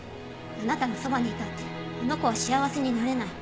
あなたのそばにいたってあの子は幸せになれない。